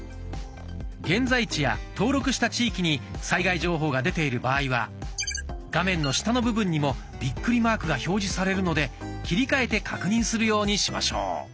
現在地や登録した地域に災害情報が出ている場合は画面の下の部分にもビックリマークが表示されるので切り替えて確認するようにしましょう。